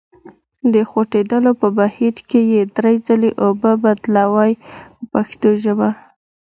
د خوټېدلو په بهیر کې یې درې ځلې اوبه بدلوئ په پښتو ژبه.